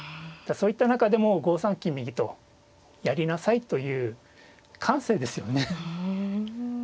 そういった中でもう５三金右とやりなさいという感性ですよね。